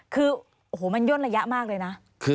คือโอ้โหมันย่นระยะมากเลยนะ